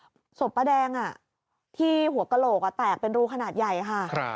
ศพป้าแดงที่หัวกระโหลกแตกเป็นรูขนาดใหญ่ค่ะ